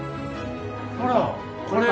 ほらこれ！